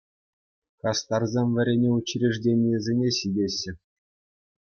Хастарсем вӗренӳ учрежеденийӗсене ҫитеҫҫӗ.